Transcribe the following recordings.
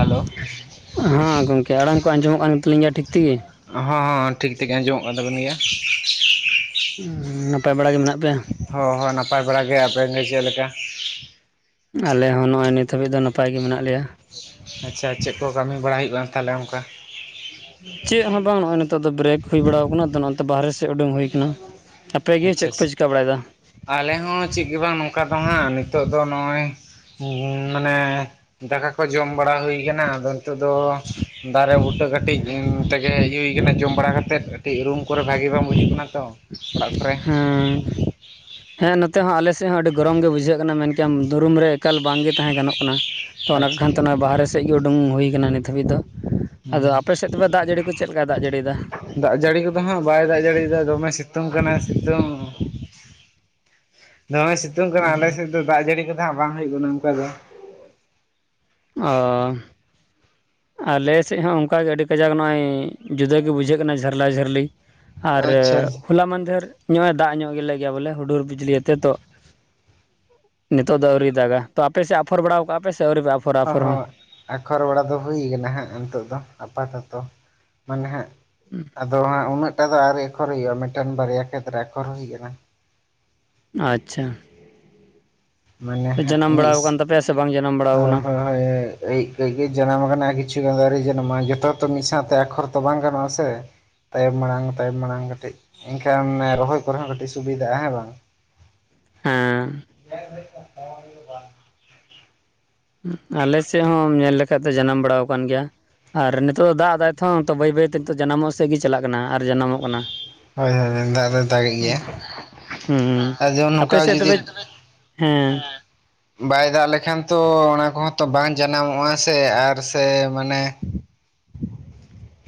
Hello. ᱦᱚᱸ ᱜᱚᱢᱠᱮ ᱟᱲᱟᱝ ᱠᱚ ᱟᱸᱡᱚᱢᱚᱜ ᱠᱟᱱ ᱛᱟᱹᱞᱤᱧ ᱜᱮᱭᱟ ᱴᱷᱤᱠ ᱛᱮᱜᱮ ᱾ ᱦᱚᱸ ᱴᱷᱤᱠ ᱛᱮᱜᱮ ᱟᱸᱡᱚᱢᱚᱜ ᱠᱟᱱ ᱛᱟᱵᱚᱤᱱ ᱜᱮᱭᱟ᱾ ᱱᱟᱯᱟᱭ ᱵᱟᱲᱟ ᱜᱮ ᱢᱮᱱᱟᱜ ᱯᱮᱭᱟ? ᱦᱚᱭ ᱦᱚᱭ ᱱᱟᱯᱟᱭ ᱵᱟᱲᱟ ᱜᱮ, ᱟᱵᱮᱱ ᱜᱮ ᱪᱮᱫ‌ ᱞᱮᱠᱟ? ᱟᱞᱮ ᱦᱚᱸ ᱱᱚᱜᱼᱚᱭ ᱱᱤᱛ ᱦᱟᱹᱵᱤᱡ ᱫᱚ ᱱᱟᱯᱟᱭ ᱜᱮ ᱢᱮᱱᱟᱜ ᱞᱮᱭᱟ ᱾ ᱟᱪᱪᱷᱟ ᱟᱪᱪᱷᱟ ᱪᱮᱫ ᱠᱚ ᱠᱟᱹᱢᱤ ᱵᱟᱲᱟ ᱦᱩᱭᱩᱜᱼᱟ ᱛᱟᱦᱚᱞᱮ ᱚᱱᱠᱟ? ᱪᱮᱫ ᱦᱚᱸ ᱵᱟᱝ ᱱᱚᱜᱼᱚᱭ ᱱᱤᱛᱚᱜ ᱫᱚ ᱵᱨᱮᱠ ᱦᱩᱭ ᱵᱟᱲᱟᱟᱣ ᱟᱠᱟᱱᱟ ᱾ [unintelligible] ᱵᱟᱨᱦᱮ ᱥᱮᱫ ᱩᱰᱩᱝ ᱦᱩᱭᱠᱟᱱᱟ ᱟᱯᱮᱜᱮ ᱟᱪᱪᱷᱟ ᱪᱮᱫ ᱯᱮ ᱟᱪᱪᱷᱟ ᱪᱮᱠᱟ ᱵᱟᱲᱟᱭᱮᱫᱟ? ᱟᱞᱮ ᱦᱚᱸ ᱪᱮᱫ ᱜᱮ ᱵᱟᱝ ᱱᱚᱝᱠᱟ ᱫᱚ ᱦᱟᱸᱜ ᱱᱤᱛᱚᱜ ᱫᱚ ᱱᱚᱜᱼᱚᱭ [unintelligible] ᱢᱟᱱᱮ ᱫᱟᱠᱟ ᱠᱚ ᱡᱚᱢ ᱵᱟᱲᱟ ᱦᱩᱭ ᱠᱟᱱᱟ ᱟᱫᱚ ᱱᱤᱛᱚᱜ ᱫᱚ ᱫᱟᱨᱮ ᱵᱩᱴᱟᱹ ᱠᱟᱹᱴᱤᱡ ᱩ ᱛᱮᱜᱮ ᱦᱮᱡ ᱦᱩᱭ ᱠᱟᱱᱟ ᱡᱚᱢ ᱵᱟᱲᱟ ᱠᱟᱛᱮᱫ ᱠᱟᱹᱴᱤᱡ ᱨᱩᱢ ᱠᱚᱨᱮ ᱵᱷᱟᱜᱤ ᱵᱟᱝ ᱵᱩᱡᱩᱜ ᱠᱟᱱᱟ ᱛᱚ ᱚᱲᱟᱜ ᱠᱚᱨᱮ ᱩᱸ ᱦᱮᱸ ᱱᱚᱛᱮ ᱦᱚᱸ ᱟᱞᱮᱥᱮᱫ ᱦᱚᱸ ᱟᱹᱰᱤ ᱜᱚᱨᱚᱢ ᱜᱮ ᱵᱩᱡᱷᱟᱹᱜ ᱠᱟᱱᱟ ᱢᱮᱱ ᱠᱮᱭᱟᱢ ᱫᱩᱨᱩᱢ ᱨᱮ ᱮᱠᱟᱞ ᱵᱟᱝᱜᱮ ᱛᱟᱦᱮᱸ ᱜᱟᱱᱚᱜ ᱠᱟᱱᱟ᱾ ᱛᱚ ᱚᱱᱟ ᱠᱚ ᱟᱪᱪᱷᱟ ᱠᱷᱟᱱᱛᱮ ᱟᱪᱪᱷᱟ ᱱᱚ-ᱚᱭ ᱵᱟᱦᱨᱮ ᱥᱮᱫ ᱜᱮ ᱩᱰᱩᱝ ᱦᱩᱭ ᱠᱟᱱᱟ ᱱᱤᱛ ᱦᱟᱹᱵᱤᱡ ᱫᱚ᱾ ᱟᱫᱚ ᱦᱩᱸ ᱟᱯᱮ ᱥᱮᱫ ᱛᱚᱵᱮ ᱫᱟᱜ ᱡᱟᱹᱲᱤ ᱠᱚ ᱪᱮᱫ ᱞᱮᱠᱟᱭ ᱫᱟᱜ ᱡᱟᱹᱲᱤᱭᱮᱫᱟ? ᱫᱟᱜ ᱡᱟᱹᱲᱤ ᱠᱚᱫᱚ ᱦᱟᱸᱜ ᱵᱟᱭ ᱫᱟᱜ ᱡᱟᱹᱲᱤᱭᱮᱫᱟ ᱫᱚᱢᱮ ᱥᱤᱛᱩᱝ ᱠᱟᱱᱟᱭ ᱥᱤᱛᱩᱝ ᱫᱚᱢᱮ ᱥᱤᱛᱩᱝ ᱠᱟᱱᱟ ᱟᱞᱮ ᱥᱮᱫ ᱫᱚ ᱫᱟᱜ ᱡᱟᱹᱲᱤ ᱠᱚᱫᱚ ᱦᱟᱸᱜ ᱵᱟᱝ ᱦᱩᱭᱩᱜ ᱠᱟᱱᱟ ᱚᱱᱠᱟ ᱫᱚ᱾ ᱚ ᱟᱞᱮᱥᱮᱫ ᱦᱚᱸ ᱚᱱᱠᱟᱜᱮ ᱟᱹᱰᱤ ᱠᱟᱡᱟᱠ ᱱᱚᱜᱼᱚᱭ ᱡᱩᱫᱟᱹᱜᱮ ᱵᱩᱡᱷᱟᱹᱜ ᱠᱟᱱᱟ ᱡᱷᱟᱨᱞᱟ-ᱡᱷᱟᱹᱨᱞᱤ᱾ ᱟᱨ ᱟᱪᱪᱷᱟ ᱦᱚᱸ ᱦᱚᱞᱟ ᱢᱟᱱᱫᱷᱮᱨ ᱧᱚᱜᱼᱮ ᱫᱟᱜ ᱧᱚᱜ ᱜᱮᱞᱮ ᱜᱮᱭᱟ ᱵᱚᱞᱮ ᱦᱩᱰᱩᱨ ᱵᱤᱡᱽᱞᱤ ᱟᱛᱮ ᱛᱚ ᱱᱤᱛᱚᱜ ᱫᱚ ᱟᱹᱣᱨᱤ ᱫᱟᱜᱟ, ᱛᱚ ᱟᱯᱮ ᱥᱮᱫ ᱟᱯᱷᱚᱨ ᱵᱟᱲᱟᱣ ᱠᱟᱜᱼᱟ ᱯᱮ ᱥᱮ ᱟᱹᱣᱨᱤ ᱟᱯᱷᱚ ᱦᱚᱸ ᱦᱚᱸ ᱟᱠᱷᱚᱨ ᱵᱟᱲᱟ ᱫᱚ ᱦᱩᱭ ᱠᱟᱱᱟ ᱦᱟᱸᱜ ᱱᱤᱛᱚᱜ ᱫᱚ ᱟᱯᱟᱛᱚᱛᱚ ᱢᱟᱱᱮ ᱦᱟᱸᱜ ᱟᱫᱚ ᱦᱟᱸᱜ ᱩᱱᱟᱹᱜᱴᱟ ᱫᱚ ᱟᱨᱣᱨᱤ ᱟᱠᱷᱚᱨ ᱦᱩᱭᱩᱜᱼᱟ, ᱢᱤᱫᱴᱟᱱ ᱵᱟᱨᱭᱟ ᱠᱷᱮᱛᱨᱮ ᱟᱠᱷᱚᱨ ᱦᱩᱭ ᱠᱟᱱᱟ᱾ ᱟᱪᱪᱷᱟ᱾ ᱢᱟᱱᱮ ᱦᱟᱸᱜ ᱡᱟᱱᱟᱢ [unintelligible] ᱵᱟᱲᱟᱣ ᱠᱟᱱ ᱛᱟᱯᱮᱭᱟ ᱥᱮ ᱵᱟᱝ ᱡᱟᱱᱟᱢ ᱵᱟᱲᱟᱣ ᱠᱟᱱᱟ ᱠᱟᱹᱡ ᱠᱟᱹᱡ ᱜᱮ ᱡᱟᱱᱟᱢ ᱠᱟᱱᱟ ᱠᱤᱪᱷᱩ ᱜᱟᱱ ᱫᱚ ᱟᱣᱨᱤ ᱡᱟᱱᱟᱢᱚᱜ-ᱟ, ᱡᱚᱛᱚ ᱛᱚ ᱢᱤᱫ ᱥᱟᱶᱛᱮ ᱟᱠᱷᱚᱨ ᱛᱚ ᱵᱟᱝ ᱜᱟᱱᱚᱜᱼᱟ ᱥᱮ᱾ ᱛᱟᱭᱚᱢ ᱢᱟᱲᱟᱝ ᱛᱟᱭᱚᱢ ᱢᱟᱲᱟᱝ ᱠᱟᱹᱴᱤᱡ ᱮᱱᱠᱷᱟᱱ ᱨᱚᱦᱚᱭ ᱠᱚᱨᱮ ᱦᱚᱸ ᱠᱟᱹᱴᱤᱡ ᱥᱩᱵᱤᱫᱟᱜᱼᱟ, ᱦᱮᱸ ᱵᱟᱝ? ᱦᱮᱸ᱾ [unintelligible] ᱟᱞᱮ ᱥᱮᱫ ᱦᱚᱸ ᱧᱮᱞ ᱞᱮᱠᱷᱟᱡ ᱫᱚ ᱡᱟᱱᱟᱢ ᱵᱟᱲᱟ ᱠᱟᱱ ᱜᱮᱭᱟ᱾ ᱟᱨ ᱱᱤᱛᱚᱜ ᱫᱚ ᱫᱟᱜ ᱫᱟᱭ ᱛᱷᱚ [unintelligible] ᱵᱟᱹᱭ ᱵᱟᱹᱭ ᱛᱮ ᱱᱤᱛ ᱡᱟᱱᱟᱢᱚᱜ ᱥᱮᱫ ᱜᱮ ᱪᱟᱞᱟᱜ ᱠᱟᱱᱟ ᱟᱨ ᱡᱟᱱᱟᱢᱚᱜ ᱠᱟᱱᱟ ᱦᱳᱭ ᱦᱳᱭ ᱦᱳᱭ, ᱫᱟᱜ ᱫᱚ ᱫᱟᱜᱮᱜ ᱜᱮᱭᱟ ᱦᱮᱸ ᱟᱫᱚ ᱟᱯᱮ ᱱᱚᱝᱠᱟ ᱥᱮᱫ ᱡᱩᱫᱤ ᱛᱚᱵᱮ ᱦᱮᱸ ᱵᱟᱭ ᱫᱟᱜ ᱞᱮᱠᱷᱟᱱ ᱛᱚ ᱚᱱᱟ ᱠᱚᱦᱚᱸ ᱛᱚ ᱵᱟᱝ ᱡᱟᱱᱟᱢᱚᱜᱼᱟ ᱥᱮ ᱟᱨ ᱥᱮ ᱢᱟᱱᱮ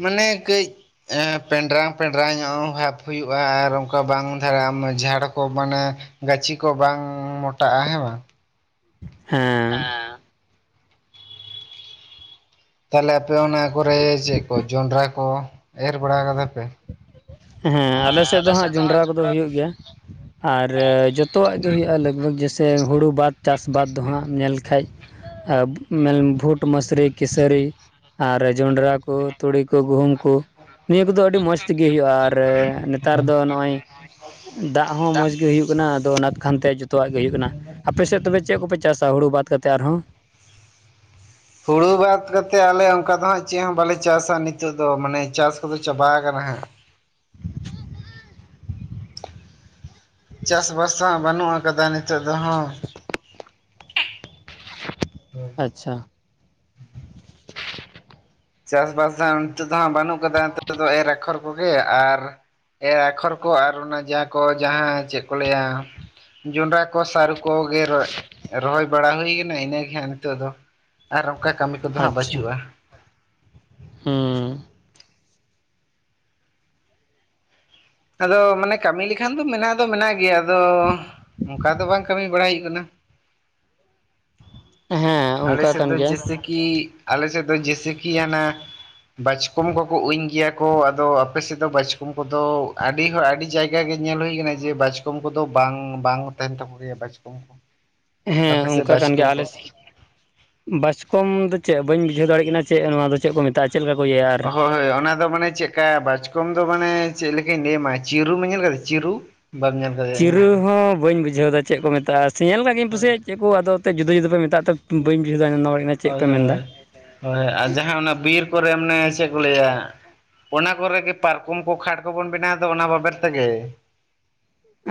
ᱢᱟᱱᱮ ᱠᱟᱹᱡ ᱮᱸ ᱯᱮᱰᱨᱟᱝ ᱯᱮᱰᱨᱟᱝ ᱧᱚᱜ ᱵᱷᱟᱵᱽ ᱦᱩᱭᱩᱜᱼᱟ ᱟᱨ ᱚᱱᱠᱟ ᱵᱟᱝ ᱫᱷᱟᱨᱟ ᱡᱷᱟᱲ ᱠᱚ ᱢᱟᱱᱮ ᱜᱟᱹᱪᱷᱤ ᱠᱚ ᱵᱟᱝ ᱢᱚᱴᱟᱜᱼᱟ ᱦᱮᱸ ᱵᱟᱝ? ᱦᱮᱸ ᱛᱟᱦᱚᱞᱮ ᱟᱯᱮ ᱚᱱᱟ ᱠᱚᱨᱮ ᱪᱮᱫ ᱠᱚ ᱡᱚᱱᱰᱨᱟ ᱠᱚ ᱮᱨ ᱵᱟᱲᱟ ᱠᱟᱫᱟ ᱯᱮ? ᱦᱮᱸ ᱟᱞᱮᱥᱮᱫ ᱫᱚ ᱦᱟᱸᱜ ᱡᱚᱱᱰᱨᱟ ᱠᱚᱫᱚ ᱦᱩᱭᱩᱜ ᱜᱮᱭᱟ ᱟᱨ ᱡᱚᱛᱚᱣᱟᱜ ᱜᱮ ᱦᱩᱭᱩᱜᱼᱟ, ᱞᱟᱜᱵᱷᱟᱜᱽ ᱡᱮᱥᱮ ᱦᱩᱲᱩ ᱵᱟᱫ ᱪᱟᱥ ᱵᱟᱫ ᱫᱚ ᱦᱟᱸᱜ ᱧᱮᱞᱠᱟᱱᱡ ᱟᱨ [unintelligible] ᱵᱷᱩᱴ ᱢᱟᱥᱨᱤ ᱠᱮᱥᱟᱹᱨᱤ ᱟᱨ ᱡᱚᱱᱰᱨᱟ ᱠᱚ ᱛᱩᱲᱤ ᱠᱚ ᱜᱩᱦᱩᱢ ᱠᱩ ᱱᱤᱭᱟᱹ ᱠᱚᱫᱚ ᱟᱹᱰᱤ ᱢᱚᱸᱡᱽ ᱛᱮᱜᱮ [unintelligible] ᱱᱮᱛᱟᱨ ᱫᱚ ᱱᱚᱜᱼᱚᱭ ᱫᱟᱜ ᱦᱚᱸ ᱢᱚᱡᱽ ᱜᱮ ᱦᱩᱭᱩᱜ ᱠᱟᱱᱟ ᱟᱫᱚ ᱚᱱᱟ ᱠᱷᱟᱱᱛᱮ ᱡᱚᱛᱚᱣᱟᱜ ᱜᱮ ᱦᱩᱭᱩᱜ ᱠᱟᱱᱟ ᱟᱯᱮ ᱥᱮᱫ ᱛᱚᱵᱮ ᱪᱮᱫ ᱠᱚᱯᱮ ᱪᱟᱥᱟ ᱦᱩᱲᱩ ᱵᱟᱫ ᱠᱟᱛᱮ ᱟᱨᱦᱚᱸ? ᱦᱩᱲᱩ ᱵᱟᱫ ᱠᱟᱛᱮ ᱟᱞᱮ ᱚᱱᱠᱟ ᱫᱚ ᱦᱟᱸᱜ ᱪᱮᱫ ᱦᱚᱸ ᱵᱟᱞᱮ ᱪᱟᱥᱟ ᱱᱤᱛᱚᱜ ᱫᱚ ᱢᱟᱱᱮ ᱪᱟᱥ ᱠᱚᱫᱚ ᱪᱟᱵᱟ ᱟᱠᱟᱱᱟ ᱦᱟᱸᱜ ᱪᱟᱥᱵᱟᱥ ᱫᱚ ᱦᱟᱸᱜ ᱵᱟᱹᱱᱩᱜ ᱠᱟᱫᱟ ᱱᱤᱛᱚᱜ ᱫᱚ ᱦᱚ ᱟᱪᱪᱷᱟ ᱪᱟᱥᱵᱟᱥ ᱫᱚ ᱦᱟᱸᱜ ᱱᱤᱛᱚᱜ ᱫᱚ ᱦᱟᱜ ᱵᱟᱹᱱᱩᱜ ᱠᱟᱫᱟ ᱱᱤᱛ ᱫᱚ ᱮᱨ ᱮᱠᱷᱚᱨ ᱠᱚᱜᱮ ᱟᱨ ᱮᱨ ᱟᱠᱷᱚᱨ ᱠᱚ ᱟᱨ ᱚᱱᱟ ᱡᱟᱦᱟᱸ ᱠᱚ ᱡᱟᱦᱟᱸ ᱪᱮᱫ ᱠᱚ ᱞᱟᱹᱭᱟ ᱡᱚᱱᱰᱨᱟ ᱠᱚ ᱥᱟᱨᱩ ᱠᱚᱜᱮ ᱨᱚ ᱨᱚᱦᱚᱭ ᱵᱟᱲᱟ ᱦᱩᱭ ᱠᱟᱱᱟ ᱤᱱᱟᱹᱜᱮ ᱦᱟᱜ ᱱᱤᱛᱚᱜ ᱫᱚ ᱟᱨ ᱚᱱᱠᱟ ᱠᱟᱹᱢᱤ ᱠᱚᱫᱚ ᱦᱟᱸᱜ ᱵᱟᱹᱪᱩᱜᱼᱟ᱾ ᱦᱩᱸᱻ ᱟᱫᱚ ᱢᱟᱱᱮ ᱠᱟᱹᱢᱤ ᱞᱮᱠᱷᱟᱱ ᱫᱚ ᱢᱮᱱᱟᱜ ᱫᱚ ᱢᱮᱱᱟᱜ ᱜᱮᱭᱟ ᱟᱫᱚ ᱚᱱᱠᱟ ᱫᱚ ᱵᱟᱝ ᱠᱟᱹᱢᱤ ᱵᱟᱲᱟᱭ ᱦᱩᱭᱩᱜ ᱠᱟᱱᱟ᱾ ᱦᱮᱸ ᱟᱞᱮ ᱚᱱᱠᱟ ᱥᱮᱫ ᱠᱟᱱ ᱫᱚ ᱜᱮᱭᱟ᱾ ᱡᱮᱭᱥᱮ ᱠᱤ ᱟᱞᱮ ᱥᱮᱫ ᱫᱚ ᱡᱮᱥᱮ ᱠᱤ ᱦᱟᱱᱟ ᱵᱟᱪᱠᱚᱢ ᱠᱚᱠᱚ ᱩᱧ ᱜᱮᱭᱟ ᱠᱚ, ᱟᱫᱚ ᱟᱯᱮᱥᱮᱫ ᱫᱚ ᱵᱟᱪᱠᱚᱢ ᱠᱚᱫᱚ ᱟᱹᱰᱤ ᱦᱚ ᱟᱹᱰᱤ ᱡᱟᱭᱜᱟ ᱠᱮ ᱧᱮᱞ ᱦᱩᱭ ᱟᱠᱟᱱᱟ ᱡᱮ ᱵᱟᱪᱠᱚᱢ ᱠᱚᱫᱚ ᱵᱟᱝ ᱵᱟᱝ ᱛᱟᱦᱮᱱ ᱛᱟᱠᱚ ᱜᱮᱭᱟ ᱵᱟᱪᱠᱚᱢ᱾ ᱠᱚ ᱦᱮᱸ ᱟᱯᱮ ᱥᱮᱫ ᱚᱱᱠᱟ ᱠᱟᱱ ᱜᱮᱭᱟ ᱵᱟᱪᱠᱚᱢ ᱟᱞᱮ ᱠᱚ ᱵᱟᱪᱠᱚᱢ ᱫᱚ ᱪᱮᱫ ᱵᱟᱹᱧ ᱵᱩᱡᱷᱟᱹᱣ ᱫᱟᱲᱮᱭᱟᱜ ᱠᱟᱱᱟ ᱪᱮᱫ ᱱᱚᱣᱟ ᱫᱚ ᱪᱮᱫ ᱠᱚ ᱢᱮᱛᱟᱜᱼᱟ? ᱪᱮᱫ ᱞᱮᱠᱟ ᱠᱚ ᱤᱭᱟᱹᱭᱟ? ᱟᱨ ᱦᱚᱭ ᱦᱚᱭ ᱚᱱᱟ ᱢᱟᱱᱮ ᱪᱮᱫᱠᱟ ᱵᱟᱪᱠᱚᱢ ᱫᱚ ᱢᱟᱱᱮ ᱪᱮᱫ ᱞᱮᱠᱟᱹᱧ ᱞᱟᱹᱭ ᱟᱢᱟ ᱪᱤᱨᱩᱢ ᱧᱮᱞ ᱠᱟᱫᱟ ᱪᱤᱨᱩ ᱵᱟᱢ ᱧᱮᱞ ᱠᱟ ᱪᱤᱨᱩ ᱦᱚᱸ ᱵᱟᱹᱧ ᱵᱩᱡᱷᱟᱹᱣᱫᱟ ᱪᱮᱫ ᱠᱚ ᱢᱮᱛᱟᱜᱼᱟ, ᱥᱮ ᱧᱮᱞ ᱠᱟᱜ ᱜᱤᱧ ᱦᱳᱭ ᱠᱩᱥᱤᱭᱟᱜ ᱪᱮᱫ ᱟᱫᱚ ᱮᱱᱛ ᱡᱩᱫᱟᱹ ᱡᱩᱫᱟᱹ ᱯᱮ ᱢᱮᱛᱟᱜᱼᱟ ᱛᱚ ᱵᱟᱹᱧ ᱵᱩᱡᱷᱟᱣ ᱱᱚᱣᱟ ᱪᱮᱫ ᱦᱚᱭ ᱯᱮ ᱢᱮᱱᱫᱟ ᱦᱚᱭ ᱦᱚᱭ ᱟᱨ ᱡᱟᱦᱟᱸ ᱚᱱᱟ ᱵᱤᱨ ᱠᱚᱨᱮ ᱢᱟᱱᱮ ᱪᱮᱫ ᱠᱚ ᱞᱟᱹᱭᱟ? ᱚᱱᱟ ᱠᱚᱨᱮᱜ ᱜᱮ ᱯᱟᱨᱠᱚᱢ ᱠᱚ ᱠᱷᱟᱴ ᱠᱚᱵᱚᱱ ᱵᱮᱱᱟᱣ ᱫᱚ ᱚᱱᱟ ᱵᱟᱵᱮᱨ ᱛᱮᱜᱮ᱾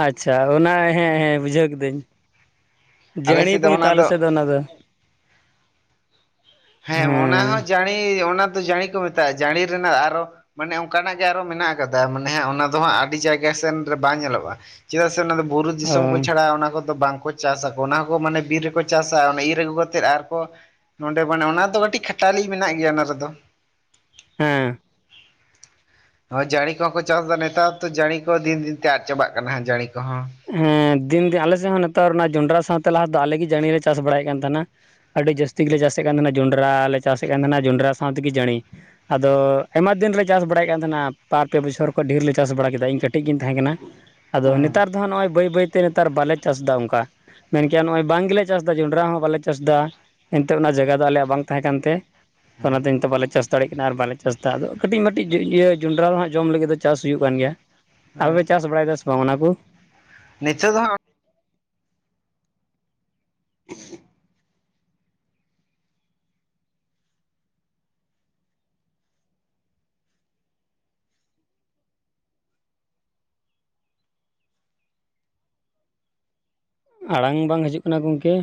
ᱟᱪᱪᱷᱟ ᱚᱱᱟ ᱦᱮᱸ ᱦᱮᱸ ᱵᱩᱡᱷᱟᱹᱣ ᱠᱤᱫᱟᱹᱧ᱾ ᱟᱞᱮ ᱡᱟᱹᱲᱤ ᱥᱮᱫ ᱠᱚ ᱫᱚ ᱚᱱᱟ ᱢᱮᱛᱟᱜᱼᱟ ᱟᱞᱮ ᱥᱮᱫ ᱫᱚ ᱚᱱᱟ ᱫᱚ᱾ ᱦᱮᱸ ᱚᱱᱟ ᱦᱚᱸ ᱡᱟᱹᱲᱤ ᱚᱱᱟ ᱫᱚ ᱡᱟᱹᱲᱤ ᱠᱚ ᱢᱮᱛᱟᱜᱼᱟ ᱡᱟᱹᱲᱤ ᱨᱮᱱᱟᱜ ᱟᱨᱚ ᱢᱟᱱᱮ ᱚᱱᱠᱟᱱᱟᱜ ᱜᱮ ᱟᱨᱚ ᱢᱮᱱᱟᱜ ᱠᱟᱫᱟ ᱢᱟᱱᱮ ᱚᱱᱟ ᱫᱚ ᱦᱟᱸᱜ ᱟᱹᱰᱤ ᱡᱟᱭᱜᱟ ᱥᱮᱱ ᱨᱮ ᱵᱟᱝ ᱧᱮᱞᱚᱜᱼᱟ᱾ ᱪᱮᱫᱟᱜ ᱥᱮ ᱚᱱᱟ ᱫᱚ ᱵᱩᱨᱩ ᱚ ᱫᱤᱥᱚᱢ ᱠᱚ ᱪᱷᱟᱲᱟ ᱚᱱᱟ ᱠᱚᱫᱚ ᱵᱟᱝ ᱠᱚ ᱪᱟᱥᱟᱠᱚ ᱚᱱᱟ ᱦᱚᱸᱠᱚ ᱢᱟᱱᱮ ᱵᱤᱨ ᱨᱮᱠᱚ ᱪᱟᱥᱟ, ᱚᱱᱟ ᱤᱨ ᱟᱹᱜᱩ ᱠᱟ ᱠᱟᱛᱮᱫ ᱟᱨᱠᱚ ᱱᱚᱰᱮ ᱢᱟᱱᱮ ᱚᱱᱟ ᱫᱚ ᱠᱟᱹᱴᱤᱡ ᱠᱷᱟᱴᱟᱞᱤ ᱢᱮᱱᱟᱜ ᱜᱮᱭᱟ ᱚᱱᱟ ᱨᱮᱫᱚ᱾ ᱦᱮᱸ᱾ ᱦᱚᱭ ᱡᱟᱹᱲᱤ ᱠᱚᱦᱚᱸ ᱠᱚ ᱪᱟᱥ ᱮᱫᱟ ᱱᱮᱛᱟᱨ ᱛᱚ ᱡᱟᱹᱲᱤ ᱠᱚ ᱫᱤᱱ ᱫᱤᱱ ᱛᱮ ᱟᱫ ᱪᱟᱵᱟᱜ ᱠᱟᱱᱟ ᱡᱟᱹᱲᱤ ᱠᱚᱦᱚᱸ᱾ ᱦᱮᱸ ᱫᱤᱱ ᱫᱤᱱ ᱟᱞᱮ ᱥᱮᱫ ᱦᱚᱸ ᱱᱮᱛᱟᱨ ᱚᱱᱟ ᱡᱚᱸᱰᱨᱟ ᱥᱟᱶᱛᱮ ᱞᱟᱦᱟ ᱫᱚ ᱟᱞᱮ ᱜᱮ ᱡᱟᱤᱲ ᱞᱮ ᱪᱟᱥ ᱵᱟᱲᱟᱭᱮᱫ ᱠᱟᱱ ᱛᱟᱦᱮᱱᱟ᱾ ᱟᱹᱰᱤ ᱡᱟᱹᱥᱛᱤ ᱜᱮᱞᱮ ᱪᱟᱥᱮᱫ ᱠᱟᱱ ᱛᱟᱦᱮᱱᱟ ᱡᱚᱸᱰᱨᱟ ᱞᱮ ᱪᱟᱥᱮᱫ ᱠᱟᱱ ᱛᱟᱦᱮᱱᱟ ᱡᱚᱸᱰᱨᱟ ᱥᱟᱶᱛᱮᱜᱮ ᱡᱟᱹᱲᱤ᱾ ᱟᱫᱚ ᱟᱭᱢᱟ ᱫᱤᱱᱞᱮ ᱪᱟᱥ ᱵᱟᱲᱟᱭᱮᱫ ᱠᱟᱱ ᱛᱟᱦᱮᱱᱟ ᱵᱟᱨ ᱯᱮ ᱵᱚᱪᱷᱚᱨ ᱠᱷᱚᱡ ᱰᱷᱮᱨ ᱞᱮ ᱪᱟᱥ ᱵᱟᱲᱟ ᱠᱮᱫᱟ, ᱤᱧ ᱠᱟᱹᱴᱤᱡ ᱜᱤᱧ ᱛᱟᱦᱮᱸ ᱠᱟᱱᱟ᱾ ᱟᱫᱚ ᱦᱩᱸ ᱱᱮᱛᱟᱨ ᱫᱚᱦᱟᱸᱜ ᱱᱚᱜᱼᱚᱭ ᱵᱟᱹᱭ ᱵᱟᱹᱭ ᱛᱮ ᱱᱮᱛᱟᱨ ᱵᱟᱞᱮ ᱪᱟᱥᱫᱟ ᱚᱱᱠᱟ᱾ ᱢᱮᱱᱠᱮ ᱱᱚᱜᱼᱚᱭ ᱵᱟᱝ ᱜᱮᱞᱮ ᱪᱟᱥ ᱫᱟ ᱡᱚᱸᱱᱰᱨᱟ ᱦᱚᱸ ᱵᱟᱞᱮ ᱪᱟᱥ ᱫᱟ᱾ ᱮᱱᱛᱮᱜ ᱚᱱᱟ ᱡᱟᱭᱜᱟ ᱫᱚ ᱟᱞᱮᱭᱟᱜ ᱵᱟᱝ ᱛᱟᱦᱮᱸ ᱠᱟᱱᱛᱮ, ᱦᱩᱸ ᱚᱱᱟᱛᱮ ᱱᱤᱛᱚᱜ ᱵᱟᱞᱮ ᱪᱮᱥ ᱫᱟᱲᱮᱜ ᱠᱟᱱᱟ ᱟᱨ ᱵᱟᱞᱮ ᱪᱟᱥ ᱮᱫᱟ ᱟᱫᱚ ᱠᱟᱹᱴᱤᱡ ᱢᱟᱹᱴᱤᱡ ᱤᱭᱟᱹ ᱡᱚᱸᱱᱰᱨᱟ ᱫᱚᱦᱟᱜ ᱡᱚᱢ ᱞᱟᱹᱜᱤᱫ ᱫᱚ ᱪᱟᱥ ᱦᱩᱭᱩᱜ ᱠᱟᱱ ᱜᱮᱭᱟ᱾ ᱟᱯᱮ ᱦᱳᱭ ᱯᱮ ᱪᱟᱥ ᱵᱟᱲᱟᱭ ᱫᱟ ᱥᱮ ᱵᱟᱝ ᱚᱱᱟ ᱠᱚ? ᱱᱤᱛᱟᱹᱜ ᱫᱚ ᱦᱟᱸᱜ [inaudible] ᱟᱲᱟᱝ ᱵᱟᱝ ᱦᱤᱡᱩᱜ ᱠᱟᱱᱟ ᱜᱚᱢᱠᱮ᱾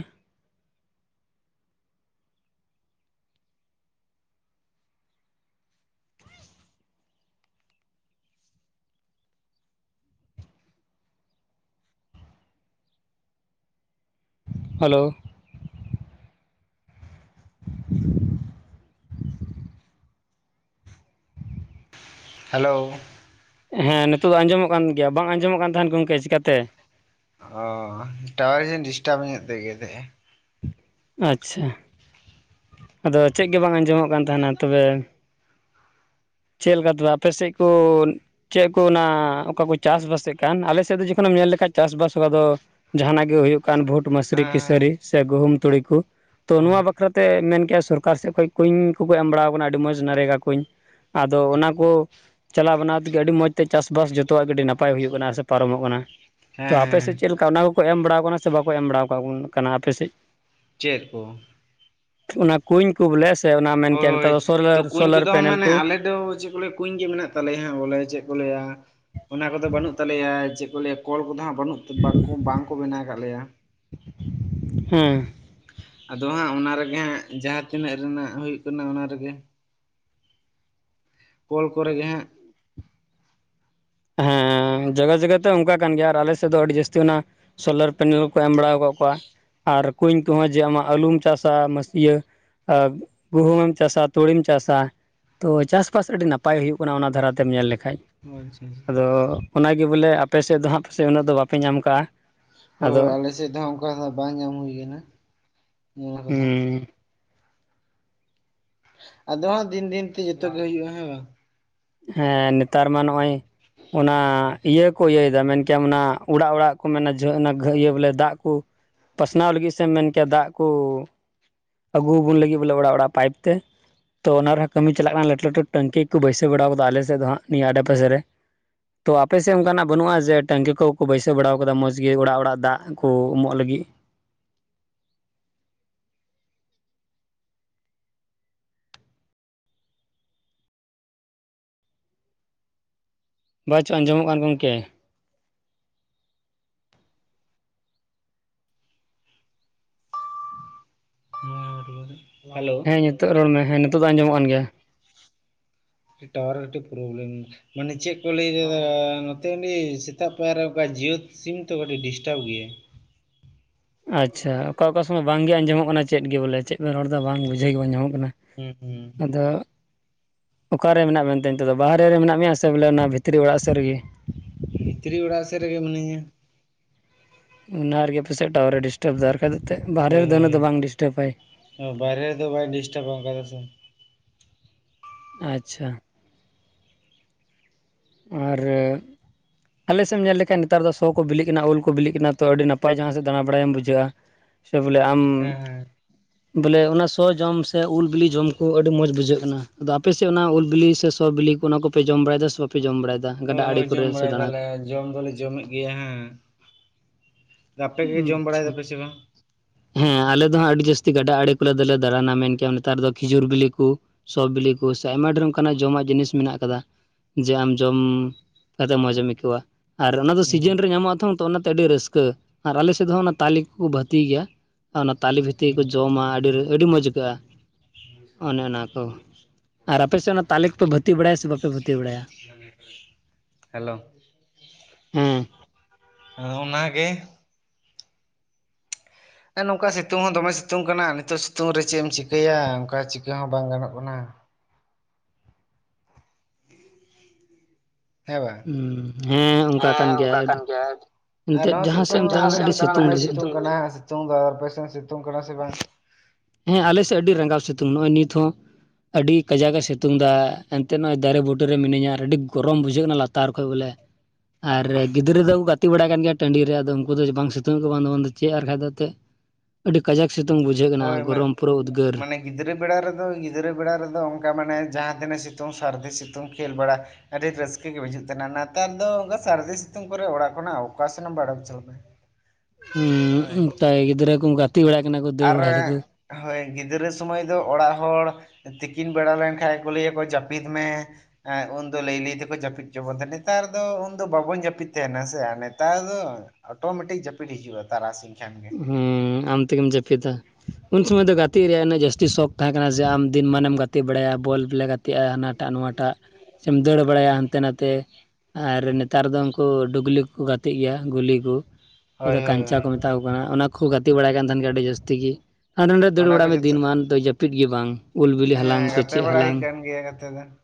ᱦᱟᱞᱚᱣ᱾ [inaudible] ᱦᱟᱞᱚᱣ᱾ ᱦᱮᱸ ᱱᱤᱛᱚᱜ ᱫᱚ ᱟᱸᱡᱚᱢᱚᱜ ᱠᱟᱱ ᱜᱮᱭᱟ, ᱵᱟᱝ ᱟᱸᱡᱚᱢᱚᱜ ᱠᱟᱱ ᱛᱟᱦᱮᱱ ᱜᱚᱢᱠᱮ ᱪᱮᱠᱟ ᱛᱮ? ᱚ ᱴᱟᱣᱟᱨ ᱤᱧ [unintelligible] ᱰᱤᱥᱴᱟᱵ ᱧᱚᱜ ᱛᱮᱜᱮ ᱛᱟᱦᱮᱸ᱾ ᱟᱪᱷᱟ᱾ ᱟᱫᱚ ᱪᱮᱜ ᱜᱮ ᱵᱟᱝ ᱟᱸᱡᱚᱢᱚᱜ ᱠᱟᱱ ᱛᱟᱦᱮᱱᱟ ᱛᱚᱵᱮ ᱪᱮᱫ ᱞᱮᱠᱟ ᱛᱚᱵᱮ ᱟᱯᱮ ᱥᱮᱫ ᱠᱚ ᱪᱮᱫ ᱠᱚ ᱚᱱᱟ ᱚᱠᱟ ᱠᱚ ᱪᱟᱥᱵᱟᱥᱮᱫ ᱠᱟᱱ ᱟᱞᱮ ᱥᱮᱫ ᱫᱚ ᱡᱚᱠᱷᱚᱱᱮᱢ ᱧᱮᱞ ᱞᱮᱠᱷᱟᱱ ᱪᱟᱥᱵᱟᱥ ᱚᱠᱟ ᱫᱚ ᱡᱟᱦᱟᱱᱟᱜ ᱜᱮ ᱦᱩᱭᱩᱜ ᱠᱟᱱ ᱵᱷᱩᱴ, ᱢᱟᱹᱥᱨᱤ, ᱦᱮᱸ ᱠᱤᱥᱟᱹᱨᱤ ᱥᱮ ᱜᱩᱦᱩᱢ, ᱛᱩᱲᱤ ᱠᱚ ᱛᱚ ᱱᱚᱣᱟ ᱵᱟᱠᱷᱨᱟᱛᱮ ᱢᱮᱱ ᱠᱮᱜ-ᱟ ᱥᱚᱨᱠᱟᱨ ᱥᱮᱫ ᱠᱷᱚᱡ ᱠᱩᱧ ᱠᱚᱠᱚ ᱮᱢ ᱵᱟᱲᱟᱣ ᱠᱟᱱᱟ ᱟᱹᱰᱤ ᱢᱚᱡᱽ ᱱᱟᱨᱮᱜᱟ ᱠᱩᱧ, ᱟᱫᱚ ᱚᱱᱟ ᱠᱚ ᱪᱟᱞᱟᱣ ᱵᱮᱟᱱᱟᱣ ᱛᱮᱜᱮ ᱟᱹᱰᱤ ᱢᱚᱸᱡᱽ ᱛᱮ ᱪᱟᱥᱵᱟᱥ ᱡᱚᱛᱚᱣᱟᱜ ᱜᱮ ᱟᱹᱰᱤ ᱱᱟᱯᱟᱭ ᱦᱩᱭᱩᱜ ᱠᱟᱱᱟ ᱥᱮ ᱯᱟᱨᱚᱢᱚᱜ ᱠᱟᱱᱟ, ᱛᱚ ᱦᱮᱸ ᱟᱯᱮ ᱦᱮᱸ ᱥᱮᱫ ᱪᱮᱫ ᱞᱮ ᱠᱟ ᱚᱱᱟ ᱠᱚᱠᱚ ᱮᱢ ᱵᱟᱲᱟᱣ ᱟᱠᱚ ᱠᱟᱱᱟ ᱥᱮ ᱵᱟᱠᱚ ᱮᱢ ᱵᱟᱲᱟᱣ ᱟᱠᱟ ᱠᱟᱱᱟ ᱟᱯᱮ ᱥᱮᱫ? ᱪᱮᱫ ᱠᱚ? ᱚᱱᱟ ᱠᱩᱧ ᱠᱚ ᱵᱚᱞᱮ ᱥᱮ ᱚᱱᱟ ᱦᱳᱭ ᱢᱮᱱᱠᱮᱭᱟ ᱱᱮᱛᱟᱨ ᱦᱳᱭ ᱫᱚ ᱥᱳᱞᱟᱨ ᱛᱚ ᱠᱩᱧ ᱥᱳᱞᱟᱨ ᱠᱚᱫᱚ ᱯᱮᱱᱮᱞ ᱢᱟᱱᱮ ᱠᱚ? ᱟᱞᱮ ᱫᱚ ᱪᱮᱫ ᱠᱚ ᱞᱟᱹᱭ? ᱠᱩᱧ ᱜᱮ ᱢᱮᱱᱟᱜ ᱛᱟᱞᱮᱭᱟ ᱦᱟᱸᱜ ᱵᱚᱞᱮ ᱪᱮᱫ ᱠᱚ ᱞᱟᱹᱭᱟ? ᱚᱱᱟ ᱠᱚᱫᱚ ᱵᱟᱹᱱᱩᱜ ᱛᱟᱞᱮᱭᱟ ᱪᱮᱫ ᱠᱚ ᱞᱟᱹᱭᱟ ᱠᱚᱞ ᱠᱚᱫᱚ ᱦᱟᱸᱜ ᱵᱟᱹᱱᱩᱜ ᱵᱟᱠᱚ ᱵᱟᱝᱠᱚ ᱵᱮᱱᱟᱣ ᱟᱠᱟᱫ ᱞᱮᱭᱟ᱾ ᱦᱮᱸ᱾ ᱟᱫᱚ ᱦᱟᱸᱜ ᱚᱱᱟ ᱨᱮᱜᱮ ᱦᱟᱸᱜ ᱡᱟᱦᱟᱸ ᱛᱤᱱᱟᱹᱜ ᱨᱮᱱᱟᱜ ᱦᱩᱭᱩᱜ ᱠᱟᱱᱟ ᱚᱱᱟ ᱨᱮᱜᱮ᱾ ᱠᱚᱞ ᱠᱚᱨᱮ ᱜᱮ ᱦᱟᱸᱜ᱾ ᱦᱮᱸ ᱡᱟᱭᱜᱟ ᱡᱟᱭᱜᱟ ᱛᱮ ᱚᱱᱠᱟᱜ ᱠᱟᱱ ᱜᱮᱭᱟ ᱟᱨ ᱟᱞᱮ ᱥᱮᱫ ᱫᱚ ᱟᱹᱰᱤ ᱡᱟᱹᱥᱛᱤ ᱚᱱᱟ ᱥᱳᱞᱟᱨ ᱯᱮᱱᱮᱞ ᱠᱚ ᱮᱢ ᱵᱟᱲᱟᱟᱣ ᱟᱠᱟᱫ ᱠᱚᱣᱟ᱾ ᱟᱨ ᱠᱩᱧ ᱠᱚᱦᱚᱸ ᱡᱮ ᱟᱢᱟᱜ ᱟᱹᱞᱩᱢ ᱪᱟᱥᱟ ᱢᱟᱥ ᱤᱭᱟᱹ ᱟ ᱜᱩᱦᱩᱢ ᱮᱢ ᱪᱟᱥᱟ ᱛᱩᱲᱤᱢ ᱪᱟᱥᱟ᱾ ᱛᱚ ᱪᱟᱥ ᱵᱟᱥ ᱟᱹᱰᱤ ᱱᱟᱯᱟᱭ ᱦᱩᱭᱩᱜ ᱠᱟᱱᱟ ᱚᱱᱟ ᱫᱷᱟᱨᱟ ᱛᱮᱢ ᱧᱮᱞ ᱞᱮᱠᱷᱟᱡ᱾ ᱚ ᱟᱪᱷᱟ ᱟᱪᱷᱟ᱾ ᱟᱫᱚ ᱚᱱᱟ ᱜᱮ ᱵᱚᱞᱮ ᱟᱯᱮ ᱥᱮᱫ ᱫᱚ ᱦᱟᱸᱜ ᱯᱟᱥᱮᱡ ᱩᱱᱟᱹᱜ ᱫᱚ ᱵᱟᱯᱮ ᱧᱟᱢ ᱠᱟᱜᱼᱟ᱾ ᱦᱳᱭ ᱟᱫᱚ ᱦᱳᱭ ᱟᱞᱮ ᱥᱮᱫ ᱫᱚ ᱚᱱᱠᱟ ᱫᱚ ᱵᱟᱝ ᱧᱟᱢ ᱦᱩᱭᱩ ᱟᱠᱟᱱᱟ, ᱱᱚᱣᱟ ᱠᱚᱫᱚ᱾ ᱦᱩᱸ ᱟᱫᱚ ᱦᱟᱸᱜ ᱫᱤᱱ ᱫᱤᱱ ᱛᱮ ᱡᱚᱛᱚᱜ ᱜᱮ ᱦᱩᱭᱩᱜᱼᱟ, ᱦᱮᱸ ᱵᱟᱝ? ᱦᱮᱸ ᱱᱮᱛᱟᱨ ᱢᱟ ᱱᱚᱜᱼᱚᱭ ᱚᱱᱟ ᱤᱭᱟᱹ ᱠᱚ ᱤᱭᱟᱹᱭ ᱮᱫᱟ ᱢᱮᱱᱠᱮᱭᱟᱢ ᱚᱱᱟ ᱚᱲᱟᱜ ᱚᱲᱟᱜ ᱠᱚ ᱢᱮᱱᱟ ᱠᱚ ᱚᱱᱟ ᱤᱭᱟᱹ ᱵᱚᱞᱮ ᱫᱟᱜ ᱠᱚ, ᱯᱟᱥᱱᱟᱣ ᱞᱟᱹᱜᱤᱫ ᱥᱮᱢ ᱢᱮᱱ ᱠᱮᱭᱟ ᱫᱟᱜ ᱠᱚ ᱟᱹᱜᱩᱣ ᱟᱵᱚᱱ ᱞᱟᱹᱜᱤᱫ ᱵᱚᱞᱮ ᱚᱲᱟᱜ ᱚᱲᱟᱜ ᱯᱟᱭᱤᱯ ᱛᱮ ᱛᱚ ᱚᱱᱟ ᱨᱮᱦᱚᱸ ᱠᱟᱹᱢᱤ ᱪᱟᱞᱟᱜ ᱠᱟᱱᱟ ᱞᱟᱹᱴᱩ ᱞᱟᱹᱴᱩ ᱴᱮᱝᱠᱤ ᱠᱚ ᱵᱟᱹᱭᱥᱟᱹ [unintelligible] ᱵᱟᱲᱟᱣ ᱠᱟᱫᱟ ᱟᱞᱮ ᱥᱮᱫ ᱫᱚ ᱦᱟᱸᱜ ᱱᱤᱭᱟᱹ ᱟᱰᱮ ᱯᱟᱥᱮ ᱨᱮ᱾ ᱛᱚ ᱟᱯᱮ ᱥᱮᱫ ᱚᱱᱠᱟᱱᱟᱜ ᱵᱟᱹᱱᱩᱜᱼᱟ ᱡᱮ ᱴᱮᱝᱠᱤ ᱠᱚ ᱠᱚ ᱵᱟᱹᱭᱥᱟᱹᱣ ᱵᱟᱲᱟᱣ ᱟᱠᱟᱫᱟ ᱢᱚᱡᱽ ᱜᱮ ᱚᱲᱟᱜ ᱚᱲᱟᱜ ᱫᱟᱜ ᱠᱚ ᱮᱢᱚᱜ ᱞᱟᱹᱜᱤᱫ? ᱵᱟᱪᱚ ᱟᱸᱡᱚᱢᱚᱜ ᱠᱟᱱ ᱜᱚᱝᱠᱮ᱾ ᱦᱮᱞᱳ᱾ ᱦᱮᱸ ᱱᱤᱛᱳ ᱨᱚᱲ ᱢᱮ ᱦᱮᱸ ᱱᱤᱛᱳᱜ ᱫᱚ ᱟᱸᱡᱚᱢᱚᱜ ᱠᱟᱱ ᱜᱮᱭᱟ᱾ ᱴᱟᱣᱟᱨ ᱠᱟᱴᱤᱡ ᱯᱨᱳᱵᱞᱮᱢ᱾ ᱢᱟᱱᱮ ᱪᱮᱫ ᱠᱚ ᱞᱟᱹᱭ ᱮᱫᱟ ᱱᱚᱛᱮ ᱩᱱᱤ ᱥᱮᱛᱟᱜ ᱯᱟᱭᱟᱨᱮ ᱚᱱᱠᱟ ᱡᱤᱭᱟᱹᱛ ᱥᱤᱢ ᱛᱚ ᱠᱟᱹᱴᱤᱡ ᱰᱤᱥᱴᱟᱵᱽ ᱜᱮᱭᱟᱭ᱾ ᱟᱪᱪᱷᱟ ᱚᱠᱟ ᱚᱠᱟ ᱥᱚᱢᱚᱭ ᱵᱟᱝ ᱜᱮ ᱟᱸᱡᱚᱢᱚᱜ ᱠᱟᱱᱟ ᱪᱮᱫ ᱜᱮ ᱵᱚᱞᱮ ᱪᱮᱫ ᱵᱮᱱ ᱨᱚᱲ ᱫᱟ ᱵᱟᱝ ᱵᱩᱡᱷᱟᱹᱣ ᱜᱮ ᱵᱟᱝ ᱧᱟᱢᱚᱜ ᱠᱟᱱᱟ᱾ ᱦᱩᱸ ᱦᱩᱸ ᱟᱫᱚ ᱚᱠᱟ ᱨᱮ ᱢᱮᱱᱟᱜ ᱵᱮᱱ ᱛᱮ ᱦᱤᱛᱚᱜ ᱫᱚ ᱵᱟᱨ ᱦᱮ ᱨᱮ ᱢᱮᱱᱟᱜ ᱢᱮᱭᱟ ᱥᱮ ᱵᱚᱞᱮ ᱚᱱᱟ ᱵᱷᱤᱛᱨᱤ ᱚᱲᱟᱜ ᱥᱮᱫ ᱨᱮᱜᱮ? ᱵᱷᱤᱛᱨᱤ ᱚᱲᱟᱜ ᱥᱮᱫ ᱨᱮᱜᱮ ᱢᱤᱱᱟᱹᱧᱟ᱾ ᱚᱱᱟ ᱨᱮᱜᱮ ᱯᱟᱥᱮᱡ ᱴᱟᱣᱟᱨᱮ ᱰᱤᱥᱴᱟᱵ ᱫᱟ ᱟᱨ ᱵᱟᱝ ᱠᱷᱟᱡ ᱵᱟᱦᱨᱮ ᱨᱮᱫᱚ ᱩᱱᱟᱹᱜ ᱫᱚ ᱵᱟᱝ ᱰᱤᱥᱴᱟᱵᱟᱭ᱾ ᱚ ᱵᱟᱭᱨᱮ ᱨᱮᱫᱚ ᱵᱟᱭ ᱰᱤᱥᱴᱵᱟ ᱚᱱᱠᱟ ᱫᱚ ᱥᱮ᱾ ᱟᱪᱪᱷᱟ᱾ ᱟᱨ ᱟᱞᱮ ᱥᱮᱫ ᱮᱢ ᱧᱮᱞ ᱞᱮᱠᱷᱟᱱ ᱱᱮᱛᱟᱨ ᱫᱚ ᱥᱚ ᱠᱚ ᱵᱤᱞᱤᱜ ᱠᱟᱱᱟ ᱩᱞ ᱠᱚ ᱵᱤᱞᱤᱜ ᱠᱟᱱᱟ ᱛᱚ ᱟᱹᱰᱤ ᱱᱟᱯᱟᱭ ᱡᱟᱦᱟ ᱥᱮᱫ ᱫᱟᱲᱟ ᱵᱟᱲᱟᱭᱟᱢ ᱵᱩᱡᱷᱟᱹᱜᱼᱟ᱾ ᱥᱮ ᱵᱚᱞᱮ ᱟᱢ ᱦᱮᱸ ᱦᱮᱸ ᱵᱚᱞᱮ ᱚᱱᱟ ᱥᱚ ᱡᱚᱢ ᱥᱮ ᱩᱞ ᱵᱤᱞᱤ ᱡᱚᱢ ᱠᱚ ᱟᱹᱰᱤ ᱢᱚᱸᱡᱽ ᱵᱩᱡᱷᱟᱹᱜ ᱠᱟᱱᱟ ᱟᱫᱚ ᱟᱯᱮ ᱥᱮᱫ ᱚᱱᱟ ᱩᱞ ᱵᱤᱞᱤ ᱥᱮ ᱥᱚ ᱵᱤᱞᱤ ᱚᱱᱟ ᱠᱚᱯᱮ ᱡᱚᱢ ᱵᱟᱲᱟᱭ ᱫᱟ ᱥᱮ ᱵᱟᱯᱮ ᱡᱚᱢ ᱵᱟᱲᱟᱭ ᱫᱟ? ᱦᱳᱭ, ᱦᱳᱭ ᱡᱚᱢ ᱵᱟᱲᱟᱭ ᱫᱟᱞᱮ, ᱡᱚᱢ ᱫᱚᱞᱮ ᱡᱚᱢ ᱮᱫ ᱜᱮᱭᱟ ᱦᱮᱸ ᱟᱯᱮ ᱜᱮ ᱡᱚᱢ ᱵᱟᱲᱟᱭ ᱟᱪᱪᱷᱟ ᱫᱟᱯᱮ ᱥᱮ ᱵᱟᱝ? ᱦᱮᱸ ᱟᱞᱮ ᱫᱚ ᱦᱟᱸᱜ ᱟᱹᱰᱤ ᱡᱟᱹᱥᱛᱤ ᱜᱟᱰᱟᱸ ᱟᱲᱮ ᱠᱚ ᱨᱮ ᱫᱚᱞᱮ ᱫᱟᱲᱟ ᱱᱟ᱾ ᱢᱮᱱ ᱠᱮᱭᱟᱢ ᱱᱮᱛᱟᱨ ᱫᱚ ᱠᱷᱤᱡᱩᱨ ᱵᱤᱞᱤ ᱠᱚ ᱥᱚᱵ ᱵᱤᱞᱤ ᱠᱚ, ᱥᱮ ᱟᱭᱢᱟ ᱰᱷᱮᱨ ᱚᱱᱠᱟ ᱱᱟᱸᱜ ᱡᱚᱢ ᱟᱜ ᱡᱤᱱᱤᱥ ᱢᱮᱱᱟᱜ ᱟᱠᱟᱫᱟ᱾ ᱡᱮ ᱟᱢ ᱡᱚᱢ ᱠᱟᱛᱮᱫ ᱢᱚᱸᱡᱽ ᱮᱢ ᱟᱹᱭᱠᱟᱹᱣᱟ᱾ ᱟᱨ ᱚᱱᱟ ᱫᱚ ᱦᱩᱸ ᱥᱤᱡᱤᱱ ᱨᱮ ᱧᱟᱢᱚᱜᱼᱟ ᱾ᱛᱚ [unintelligible] ᱛᱚ ᱚᱱᱟ ᱛᱮ ᱟᱹᱰᱤ ᱨᱟᱹᱥᱠᱟᱹ ᱟᱨ ᱟᱞᱮ ᱥᱮᱫ ᱦᱚᱸ, ᱚᱱᱟ ᱛᱟᱞᱮ ᱠᱚᱼᱠᱚ ᱵᱷᱟᱹᱛᱤ ᱜᱮᱭᱟ᱾ ᱟᱨ ᱚᱱᱟ ᱛᱟᱞᱮ ᱵᱷᱤᱛᱤᱨ ᱦᱩᱸ ᱠᱚ ᱡᱚᱢᱟ᱾ ᱟᱹᱰᱤ, ᱟᱹᱰᱤ ᱢᱚᱸᱡᱷᱽ ᱟᱹᱭᱠᱟᱹᱜᱼᱟ᱾ ᱚᱱᱮ ᱚᱱᱟ ᱠᱚ, ᱟᱨ ᱟᱯᱮ ᱥᱮᱫ ᱚᱱᱟ ᱛᱟᱞᱮ ᱠᱚ ᱯᱮ ᱵᱷᱟᱹᱛᱤ ᱵᱟᱲᱟᱭᱼᱟ᱾ ᱥᱮ ᱵᱟᱯᱮ ᱵᱷᱟᱹᱛᱤ ᱵᱟᱲᱟᱭᱟ? ᱦᱮᱞᱳ ᱦᱮᱸ ᱚᱱᱟ ᱜᱮ ᱦᱮᱸ ᱱᱚᱝᱠᱟ ᱥᱤᱛᱩᱝ ᱦᱚᱸ ᱫᱚᱢᱮ ᱥᱤᱛᱩᱝ ᱠᱟᱱᱟ᱾ ᱱᱤᱛᱚᱜ ᱥᱤᱛᱩᱝ ᱨᱮ ᱪᱮᱫ ᱮᱢ ᱪᱤᱠᱟᱹᱭᱟ᱾ ᱚᱱᱠᱟ ᱪᱤᱠᱟᱹ ᱦᱚᱸ ᱵᱟᱝ ᱜᱟᱱᱚᱜ ᱠᱟᱱᱟ᱾ ᱦᱮᱸ ᱵᱟᱝ ᱦᱮᱸ ᱚᱱᱠᱟ ᱠᱟᱱ ᱜᱮᱭᱟ᱾ ᱮᱱᱛᱮᱫ ᱟᱨ ᱡᱟᱦᱟᱸ ᱥᱮᱫ ᱥᱤᱛᱩᱝ ᱮᱢ ᱫᱟᱬᱟᱱᱟ ᱟᱹᱰᱤ ᱵᱩᱡᱷᱟᱹᱜᱼᱟ ᱥᱤᱛᱩᱝ ᱠᱟᱱᱟ [unintelligible] ᱟᱯᱮ ᱥᱮᱫ ᱥᱤᱛᱩᱝ ᱠᱟᱱᱟ ᱥᱮ ᱵᱟᱝ? ᱦᱮᱸ ᱟᱞᱮ ᱥᱮᱫ ᱟᱹᱰᱤ ᱨᱟᱸᱜᱟᱼᱣ ᱥᱤᱛᱩᱝ ᱱᱚᱜᱼᱚᱭ ᱱᱤᱛ ᱦᱚᱸ ᱟᱹᱰᱤ ᱠᱟᱡᱟᱠ ᱮᱸ ᱥᱤᱛᱩᱝ ᱫᱟ ᱾ ᱮᱱᱛᱮᱫ ᱱᱚᱜᱼᱚᱭ ᱫᱟᱨᱮ ᱵᱩᱴᱟᱹᱨ ᱨᱮ ᱢᱤᱱᱟᱹᱧᱟ᱾ ᱟᱹᱰᱤ ᱜᱚᱨᱚᱢ ᱵᱩᱡᱷᱟᱹᱜ ᱠᱟᱱᱟ ᱞᱟᱛᱟᱨ ᱠᱷᱚᱱ ᱵᱚᱞᱮ ᱟᱨ ᱜᱤᱫᱽᱨᱟᱹ ᱫᱚ-ᱠᱚ ᱜᱟᱛᱮ ᱵᱟᱲᱟᱜ ᱠᱟᱱ ᱜᱮᱭᱟ ᱾ ᱴᱟᱺᱰᱤ ᱨᱮ ᱟᱫᱚ ᱩᱱᱠᱩ ᱫᱚ ᱵᱟᱝ ᱥᱤᱛᱩᱝ ᱠᱚ ᱵᱟᱝ ᱫᱚ ᱪᱮᱫ ᱟᱨ [unintelligible] [unintelligible] ᱟᱹᱰᱤ ᱠᱟᱡᱟᱠ ᱥᱤᱛᱩᱝ ᱵᱩᱡᱷᱽᱟᱹᱜ ᱠᱟᱱᱟ᱾ ᱦᱳᱭ ᱢᱟ, ᱜᱚᱨᱚᱢ ᱯᱩᱨᱟᱹ ᱩᱫᱽᱜᱟᱹᱨ ᱢᱟᱱᱮ ᱜᱤᱫᱽᱨᱟᱹ ᱵᱮᱲᱟ ᱨᱮ-ᱫᱚ ᱜᱤᱫᱽᱨᱟᱹ ᱵᱮᱲᱟ ᱨᱮᱫᱚ ᱚᱱᱠᱟ᱾ ᱢᱟᱱᱮ ᱡᱟᱦᱟ ᱛᱤᱱᱟᱹᱜ ᱥᱤᱛᱩᱝ ᱥᱟᱹᱨᱫᱤ ᱥᱤᱛᱩᱝ ᱠᱷᱮᱞ ᱵᱟᱲᱟ᱾ ᱟᱹᱰᱤ ᱨᱟᱹᱥᱠᱟᱹ ᱜᱮ ᱵᱩᱡᱷᱟᱹᱜ ᱛᱟᱦᱮᱸ ᱱᱟ᱾ ᱱᱮᱛᱟᱨ ᱫᱚ ᱚᱱᱠᱟ ᱥᱟᱹᱨᱫᱤ ᱥᱤᱛᱩᱝ ᱠᱚᱨᱮ ᱚᱲᱟᱜ ᱠᱷᱚᱱᱟᱼᱜ ᱚᱠᱟ ᱥᱚᱱ ᱦᱚᱸ ᱵᱟᱭ ᱳᱰᱳᱠ ᱦᱚᱪᱚᱸ ᱟᱢᱟ᱾ ᱦᱩᱸ ᱚᱱᱠᱟ ᱜᱮ ᱜᱤᱫᱽᱨᱟᱹ ᱠᱚ [unintelligible] [unintelligible] ᱵᱟᱲᱟᱜ ᱠᱟᱱᱟ ᱠᱚ ᱫᱟᱹᱲ ᱟᱨ ᱵᱟᱲᱟᱭ ᱫᱟᱠᱚ ᱦᱳᱭ, ᱜᱤᱫᱽᱨᱟᱹ ᱥᱳᱢᱳᱭ ᱫᱚ ᱚᱲᱟᱜ ᱦᱚᱲ ᱛᱤᱠᱤᱱ ᱵᱮᱲᱟ ᱞᱮᱱ ᱠᱷᱟᱡ ᱜᱮ, ᱠᱚ ᱞᱟᱹᱭ ᱟᱠᱚ ᱡᱟᱹᱯᱤᱫ ᱢᱮ᱾ ᱩᱱᱫᱚ ᱞᱟᱹᱭ, ᱞᱟᱹᱭ ᱛᱮᱠᱚ ᱡᱟᱹᱯᱤᱫ ᱦᱚᱪᱚᱸ ᱵᱚᱱ ᱛᱟᱦᱮᱱᱟ ᱱᱮᱛᱟᱨ ᱫᱚ ᱩᱱᱫᱚ ᱵᱟᱵᱚᱱ ᱡᱟᱹᱯᱤᱫ ᱛᱟᱦᱮᱱᱟ᱾ ᱥᱮ ᱟᱨ ᱱᱮᱛᱟᱨ ᱫᱚ ᱚᱴᱳᱢᱮᱴᱤᱠ ᱡᱟᱹᱯᱤᱫ ᱦᱤᱡᱩᱜᱼᱟ᱾ ᱛᱟᱨᱟ ᱥᱤᱧ ᱠᱷᱟᱱ ᱜᱮ ᱦᱩᱸ ᱟᱢ ᱛᱮᱜᱮᱢ ᱡᱟᱹᱯᱤ ᱫᱟ᱾ ᱩᱱ ᱥᱳᱢᱳᱭ ᱫᱚ ᱜᱟᱛᱮ ᱨᱮᱭᱟ-ᱜ ᱩᱱᱟᱹᱜ ᱡᱟᱹᱥᱛᱤ ᱥᱚᱠ ᱛᱟᱦᱮᱸ ᱠᱟᱱᱟ᱾ ᱡᱮ ᱟᱢ ᱫᱤᱱ ᱢᱟᱱᱮᱢ ᱜᱟᱛᱮ-ᱜ ᱵᱟᱲᱟᱭᱟ᱾ ᱵᱚᱞ ᱞᱮ ᱜᱟᱛᱮᱜᱼᱟ᱾ ᱦᱟᱱᱟᱸ ᱴᱟᱜ ᱱᱚᱣᱟ ᱴᱟᱜ ᱥᱮᱢ ᱫᱟᱹᱲ ᱵᱟᱲᱟᱭᱼᱟ᱾ ᱦᱟᱱᱛᱮ ᱱᱟᱛᱮ ᱟᱨ ᱱᱮᱛᱟᱨ ᱫᱚ, ᱩᱱᱠᱩ ᱰᱩᱜᱽᱞᱤ ᱠᱚᱼᱠᱚ ᱜᱟᱛᱮᱜ ᱜᱮᱭᱟ᱾ ᱜᱩᱞᱤ ᱠᱚ ᱚᱠᱟ ᱦᱳᱭ ᱫᱚ ᱦᱳᱭ ᱠᱟᱹᱧᱪᱟ ᱠᱚ ᱦᱳᱭ [unintelligible] [unintelligible] ᱠᱟᱱᱟ ᱚᱱᱟ ᱠᱚ ᱜᱟᱛᱮ ᱵᱟᱲᱟᱭ ᱠᱟᱱ ᱛᱟᱦᱮᱸᱱ ᱜᱮᱭᱟ᱾ ᱟᱹᱰᱤ ᱡᱟᱹᱥᱛᱤ ᱜᱮ ᱦᱟᱸᱰᱮ ᱱᱟᱰᱮ ᱫᱟᱹᱲ ᱚᱱᱟ ᱵᱟᱲᱟᱭ ᱠᱚ ᱢᱮ ᱾ ᱡᱚᱛᱚ ᱫᱤᱱ ᱢᱟᱱ ᱫᱚ ᱡᱟᱹᱯᱤᱫ ᱜᱮ ᱵᱟᱝ᱾ ᱩᱞ ᱵᱤᱞᱤ ᱦᱟᱞᱟᱝ ᱛᱚ ᱪᱮᱫ ᱦᱟᱞᱟᱝ᱾ [unintelligible] ᱠᱟᱛᱷᱟ ᱫᱚ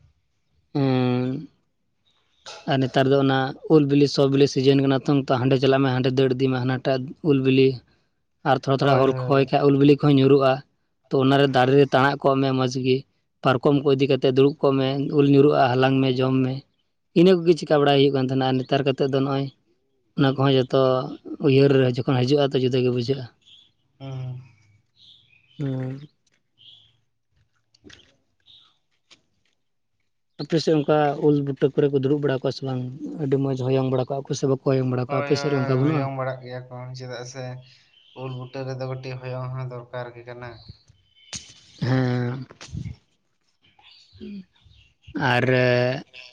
ᱦᱮᱸ ᱟᱨ ᱱᱮᱛᱟᱨ ᱫᱚ ᱚᱱᱟ ᱩᱞ ᱵᱤᱞᱤ, ᱥᱚᱸ ᱵᱤᱞᱤ ᱥᱤᱡᱤᱱ ᱠᱟᱱᱟ ᱛᱚᱝ ᱛᱚ, ᱦᱟᱸᱰᱮ ᱪᱟᱞᱟᱜ ᱢᱮ ᱦᱟᱸᱰᱮ ᱫᱟᱹᱲ ᱤᱫᱤ ᱢᱮ ᱦᱟᱱᱟ ᱴᱟᱜ ᱩᱞ ᱵᱤᱞᱤ ᱟᱨ ᱛᱷᱚᱲᱟ, ᱛᱷᱚᱲᱟ ᱦᱳᱭ [unintelligible] ᱦᱳᱭ ᱦᱚᱭ ᱠᱷᱟᱡ᱾ ᱩᱞ ᱵᱤᱞᱤ ᱠᱚ ᱧᱩᱨᱩᱜᱼᱟ᱾ ᱛᱚ ᱚᱱᱟ ᱨᱮ ᱫᱟᱨᱮ ᱨᱮ ᱛᱟᱲᱟ-ᱜ ᱠᱚᱜ ᱢᱮ ᱢᱚᱸᱡᱽ ᱜᱮ ᱯᱟᱨᱠᱚᱢ ᱠᱚ ᱤᱫᱤ ᱠᱟᱛᱮ-ᱜ ᱫᱩᱲᱩᱵ ᱠᱚᱜ ᱢᱮ ᱾ ᱩᱞ ᱧᱩᱨᱩᱜᱼᱟ ᱦᱟᱞᱟᱝ ᱢᱮ ᱡᱚᱢ ᱢᱮ᱾ ᱤᱱᱟᱹ ᱠᱚᱜᱮ ᱪᱤᱠᱟ ᱵᱟᱲᱟᱭ ᱦᱩᱭᱩᱼᱜ ᱠᱟᱱ ᱛᱟᱦᱮᱱᱟ ᱾ ᱟᱨ ᱱᱮᱛᱟᱨ ᱠᱟᱛᱮᱫ ᱫᱚ ᱱᱚᱜᱼᱚᱭ ᱚᱱᱟ ᱠᱚ-ᱦᱚᱸ ᱡᱷᱚᱛᱚ ᱩᱭᱦᱟᱹᱨ ᱨᱮ ᱦᱤᱡᱩᱜ [unintelligible] ᱦᱤᱡᱩᱜᱼᱟ ᱟᱫᱚ ᱡᱩᱫᱟᱹ ᱜᱮ ᱵᱩᱡᱷᱟᱹᱜᱼᱟ᱾ ᱦᱩᱸ ᱚᱸ ᱟᱯᱮ ᱥᱮᱜ ᱚᱱᱠᱟ ᱩᱞ ᱵᱩᱴᱟᱹ ᱠᱚᱨᱮ ᱠᱚ ᱫᱩᱲᱩᱵ ᱵᱟᱲᱟ ᱠᱚᱣᱟ ᱥᱮ ᱵᱟᱝ? ᱟᱹᱰᱤ ᱢᱚᱡᱽ ᱦᱚᱭᱚᱝ ᱵᱟᱲᱟ ᱠᱚᱜᱟᱼᱟ ᱾ ᱠᱚ ᱥᱮ ᱵᱟᱝ ᱦᱚᱭᱚᱜ ᱵᱟᱲᱟ ᱠᱚᱣᱟ᱾ ᱦᱳᱭ ᱟᱯᱮᱥᱮᱜ ᱦᱳᱭ ᱨᱮ ᱦᱳᱭ ᱚᱱᱠᱟ ᱵᱟᱹᱱᱩᱜᱼᱟ? ᱦᱚᱭᱚᱝ ᱵᱟᱲᱟᱜ ᱜᱮᱭᱟ ᱪᱮᱫᱟᱜ ᱥᱮ ᱩᱞ ᱵᱩᱴᱟᱹ ᱨᱮ-ᱫᱚ ᱠᱟᱹᱴᱤᱡ ᱦᱚᱭᱚ-ᱜ ᱦᱚᱸ ᱫᱚᱨᱠᱟᱨ ᱜᱮ ᱠᱟᱱᱟ᱾ ᱦᱮᱸ [unintelligible] ᱟᱨ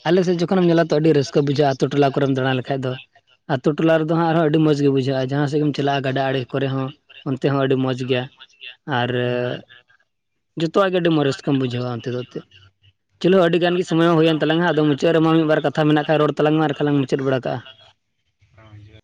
ᱟᱞᱮᱥᱮᱫ ᱡᱚᱠᱷᱚᱱ ᱮᱢ ᱧᱮᱞᱟ ᱛᱚ ᱟᱹᱰᱤ ᱨᱟᱹᱥᱠᱟᱹ ᱵᱩᱡᱷᱟᱹᱜ-ᱟ ᱟᱛᱳ ᱴᱚᱞᱟ ᱠᱚᱨᱮᱢ ᱫᱟᱲᱟ ᱞᱮᱠᱷᱟᱡ ᱫᱚ ᱟᱛᱳ ᱴᱚᱞᱟ ᱨᱮᱫᱚ ᱦᱟᱸ ᱟᱨᱦᱚᱸ ᱟᱹᱰᱤ ᱢᱚᱡᱽ ᱜᱮ ᱵᱩᱡᱷᱟᱹᱜ-ᱟ, ᱡᱟᱦᱟᱸ ᱥᱮᱜ ᱜᱮᱢ ᱪᱟᱞᱟᱜ-ᱟ ᱜᱟᱰᱟ ᱟᱲᱮ ᱠᱚᱨᱮ ᱦᱚᱸ ᱚᱱᱛᱮ ᱦᱚᱸ ᱟᱹᱰᱤ ᱢᱚᱡᱽ ᱜᱮᱭᱟ᱾ ᱟᱨ ᱦᱩᱸ ᱡᱷᱚᱛᱚᱣᱟᱜ ᱜᱮ ᱟᱹᱰᱤ ᱨᱟᱹᱥᱠᱟᱹᱢ ᱵᱩᱡᱷᱟᱹᱣᱟ ᱚᱱᱛᱮ ᱫᱚ ᱮᱱᱛᱮᱜ ᱪᱚᱞᱚ ᱟᱹᱰᱤ ᱜᱟᱱ ᱜᱮ ᱥᱚᱢᱚᱭ ᱦᱚᱸ ᱦᱩᱭᱮᱱ ᱛᱟᱞᱟᱝᱟ ᱟᱫᱚ ᱢᱩᱪᱟᱹᱫ ᱨᱮᱢᱟ ᱢᱤᱫ ᱵᱟᱨ ᱠᱟᱛᱷᱟ ᱢᱮᱱᱟᱜ ᱠᱷᱟᱡ ᱨᱚᱲ ᱛᱟᱞᱟᱝ ᱢᱮ ᱟᱨᱠᱷᱟ ᱞᱟᱝ ᱢᱩᱪᱟᱹᱫ ᱵᱟᱲᱟ ᱠᱟᱜ-ᱟ᱾ [unintelligible]